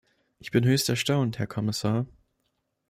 Ich bin höchst erstaunt, Herr Kommissar!